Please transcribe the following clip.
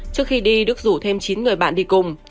trước khi đi đức rủ thêm chín người bạn đi cùng